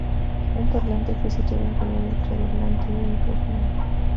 Un parlante fue situado arriba del redoblante, y un micrófono abajo.